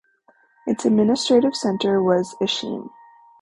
Its administrative centre was Ishim.